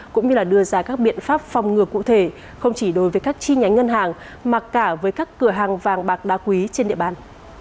cũng như đưa ra các biện pháp phòng ngừa cụ thể không chỉ đối với các chi nhánh ngân hàng mà cả với các cửa hàng vàng bạc đá quý trên địa bàn